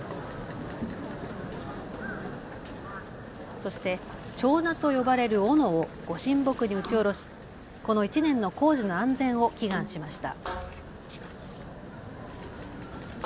そして手斧と呼ばれるおのをご神木に打ち下ろし、この１年の工事の安全を祈願しました。